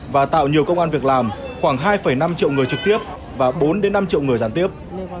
và tạo nhiều công an việc làm khoảng hai năm triệu người trực tiếp và bốn năm triệu người giàn tiếp